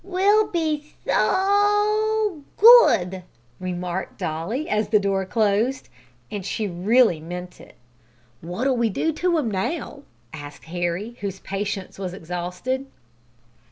"We'll be so dood!" remarked Dolly, as the door closed and she really meant it. "What'll we do to him now?" asked Harry, whose patience was exhausted.